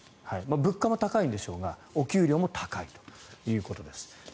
物価も高いんでしょうがお給料も高いということです。